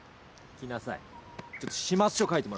来なさい！